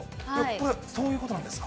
これ、そういうことなんですか。